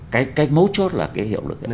cái mấu chốt là cái hiệu lực hiệu quả